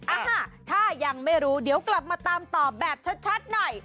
อ่ะฮะถ้ายังไม่รู้เดี๋ยวกลับมาตามตอบแบบชัดหน่อย